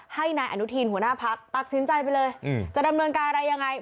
ให้นายอนุทินหัวหน้าพักตัดสินใจไปเลยจะดำเนินการอะไรยังไง